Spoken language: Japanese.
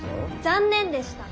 残念でした。